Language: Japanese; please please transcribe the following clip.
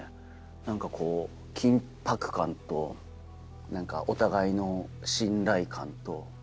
何かこう緊迫感とお互いの信頼感と。